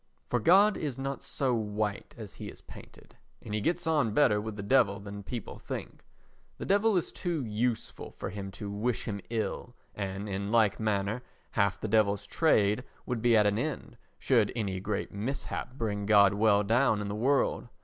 For God is not so white as he is painted, and he gets on better with the Devil than people think. The Devil is too useful for him to wish him ill and, in like manner, half the Devil's trade would be at an end should any great mishap bring God well down in the world.